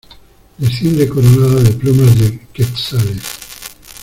Desciende coronada de plumas de quetzales.